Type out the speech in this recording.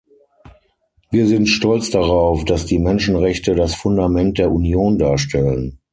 Wir sind stolz darauf, dass die Menschenrechte das Fundament der Union darstellen.